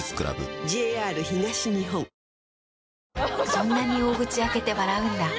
そんなに大口開けて笑うんだ。